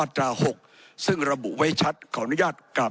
ผมจะขออนุญาตให้ท่านอาจารย์วิทยุซึ่งรู้เรื่องกฎหมายดีเป็นผู้ชี้แจงนะครับ